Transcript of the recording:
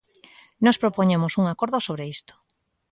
Nós propoñemos un acordo sobre isto.